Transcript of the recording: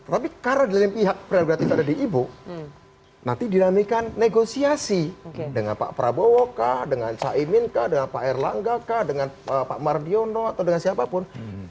tapi karena di lain pihak prerogatif ada di ibu nanti dinamikan negosiasi dengan pak prabowo kah dengan caimin kah dengan pak erlangga kah dengan pak mardiono atau dengan siapapun